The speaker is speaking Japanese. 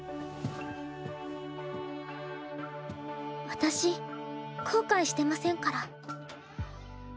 私後悔してませんから。